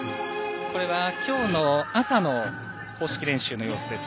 これはきょうの朝の公式練習の様子です。